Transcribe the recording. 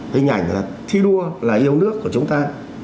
hình ảnh là thi đua là yêu nước của chúng ta